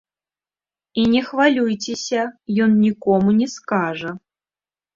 І не хвалюйцеся, ён нікому не скажа.